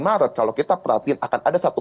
maret kalau kita perhatikan akan ada satu